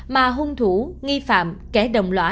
mà hung thủ nghi phạm kẻ đồng lõa